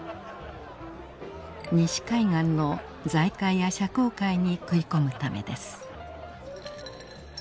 西海岸の財界や社交界に食い込むためです。